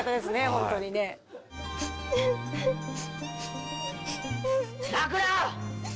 ホントにね泣くな！